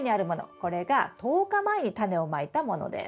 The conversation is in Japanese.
これが１０日前にタネをまいたものです。